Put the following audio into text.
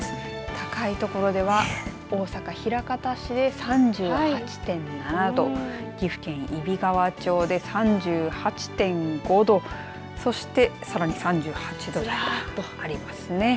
高いところでは大阪枚方市で３８．７度岐阜県揖斐川町で３８．５度そしてさらに３８度ずらっとありますね。